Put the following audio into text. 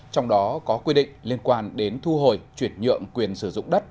trong đó có quy định liên quan đến thu hồi chuyển nhượng quyền sử dụng đất